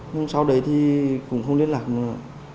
nhưng sau đấy thì cũng không liên lạc nữa